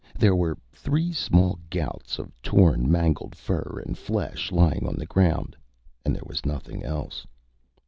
There were three small gouts of torn, mangled fur and flesh lying on the ground and there was nothing else.